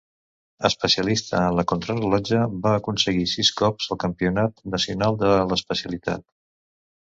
Especialista en la contrarellotge, va aconseguir sis cops el campionat nacional de l'especialitat.